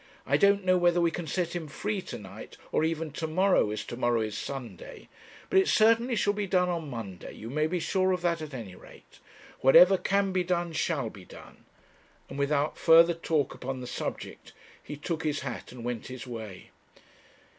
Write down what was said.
I don't know whether we can set him free to night, or even to morrow, as to morrow is Sunday; but it certainly shall be done on Monday, you may be sure of that at any rate. Whatever can be done shall be done;' and, without further talk upon the subject, he took his hat and went his way.